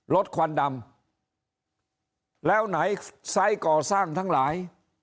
ควันดำแล้วไหนไซส์ก่อสร้างทั้งหลาย